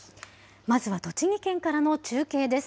まずは栃木県からの中継です。